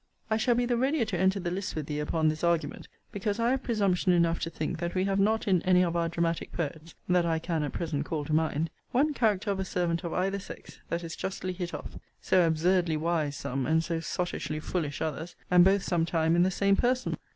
I shall be the readier to enter the lists with thee upon this argument, because I have presumption enough to think that we have not in any of our dramatic poets, that I can at present call to mind, one character of a servant of either sex, that is justly hit off. So absurdly wise some, and so sottishly foolish others; and both sometime in the same person.